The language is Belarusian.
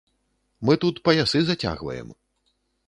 Мы тут паясы зацягваем.